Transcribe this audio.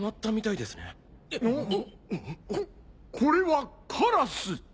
これはカラス！